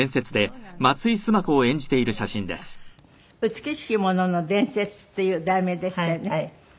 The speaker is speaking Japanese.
『美しきものの伝説』っていう題名でしたよね。